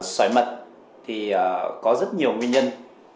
sỏi mật thì có rất nhiều nguyên nhân